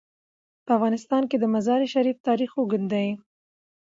په افغانستان کې د مزارشریف تاریخ اوږد دی.